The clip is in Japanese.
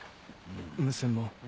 無線も。